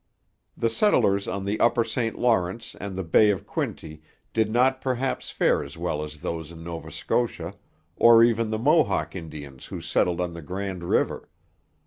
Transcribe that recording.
The settlers on the Upper St Lawrence and the Bay of Quinte did not perhaps fare as well as those in Nova Scotia, or even the Mohawk Indians who settled on the Grand river.